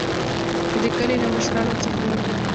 چې د کلي له مشران څخه وو.